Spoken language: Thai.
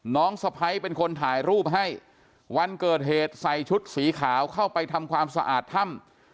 สะพ้ายเป็นคนถ่ายรูปให้วันเกิดเหตุใส่ชุดสีขาวเข้าไปทำความสะอาดถ้ำ